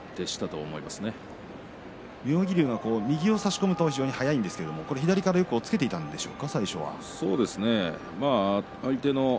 妙義龍、右を差し込むと速いんですが左から王鵬押っつけていったんでしょうか。